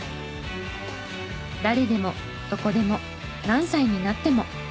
誰でもどこでも何歳になっても。